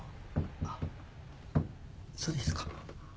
あっそうですか。